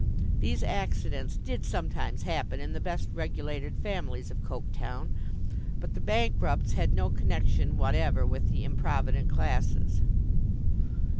These accidents did sometimes happen in the best regulated families of Coketown, but the bankrupts had no connexion whatever with the improvident classes.